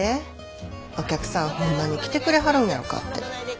お客さんホンマに来てくれはるんやろかって。